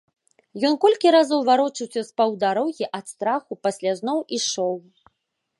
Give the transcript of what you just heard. Ён колькі разоў варочаўся з паўдарогі, ад страху, пасля зноў ішоў.